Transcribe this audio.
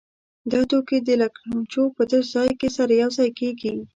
دا توکي د لګنچو په تش ځای کې سره یو ځای کېږي.